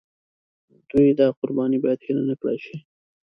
د دوی دا قرباني باید هېره نکړای شي.